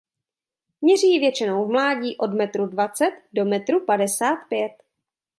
Měří většinou v mládí od metru dvacet do metru padesát pět.